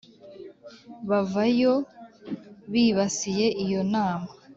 bava yo bibasiye iyo nama